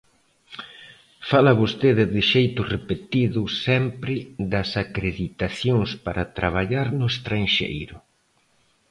Fala vostede de xeito repetido sempre das acreditacións para traballar no estranxeiro.